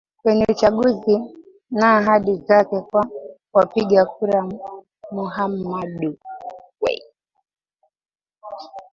kwenye uchaguzi na ahadi zake kwa wapiga kura Muhammadu